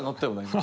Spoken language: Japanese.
今。